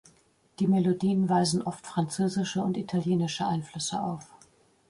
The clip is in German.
Die Melodien weisen oft französische und italienische Einflüsse auf.